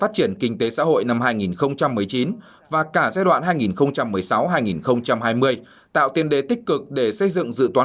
phát triển kinh tế xã hội năm hai nghìn một mươi chín và cả giai đoạn hai nghìn một mươi sáu hai nghìn hai mươi tạo tiền đề tích cực để xây dựng dự toán